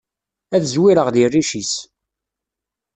Ad zwireγ di rric-is!